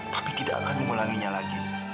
tapi tidak akan mengulanginya lagi